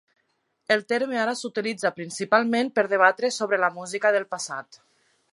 El terme ara s'utilitza principalment per debatre sobre la música del passat.